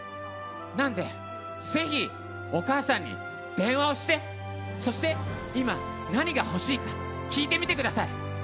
なので、ぜひお母さんに電話をしてそして、今、何が欲しいか聞いてみてください。